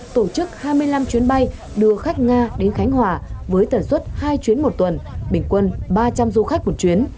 tổ chức hai mươi năm chuyến bay đưa khách nga đến khánh hòa với tần suất hai chuyến một tuần bình quân ba trăm linh du khách một chuyến